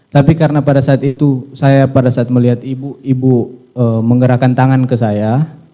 tapi karena pada saat itu saya pada saat melihat ibu ibu menggerakkan tangan ke saya